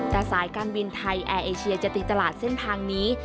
แต่สายการบินไทยแอร์เอเชียจะตีตลาดเส้นทางนี้